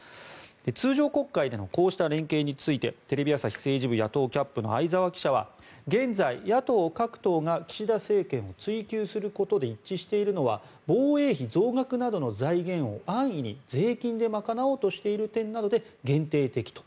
通常国会でのこうした連携についてテレビ朝日政治部野党キャップの相沢記者は現在、野党各党が岸田政権を追及することで一致しているのは防衛費増額などの財源を安易に税金で賄おうとしている点などで限定的と。